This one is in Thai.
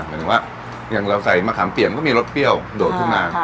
หมายถึงว่าอย่างเราใส่มะขามเปี่ยมก็มีรสเปรี้ยวโดดขึ้นมา